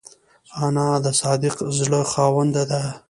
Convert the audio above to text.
انا د صادق زړه خاوند ده